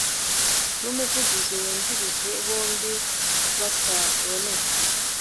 n umuvugizi wungirije bombi batabonetse